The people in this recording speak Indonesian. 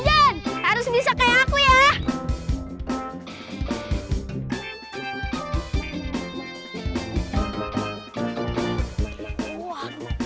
om jen harus bisa kayak aku ya